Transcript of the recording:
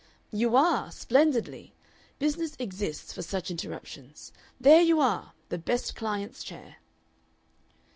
"You are. Splendidly. Business exists for such interruptions. There you are, the best client's chair."